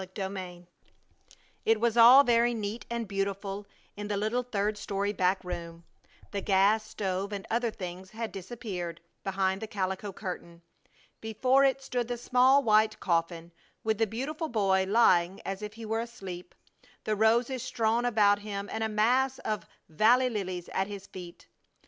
CHAPTER VIII It was all very neat and beautiful in the little, third story back room. The gas stove and other things had disappeared behind the calico curtain. Before it stood the small white coffin, with the beautiful boy lying as if he were asleep, the roses strewn about him, and a mass of valley lilies at his feet.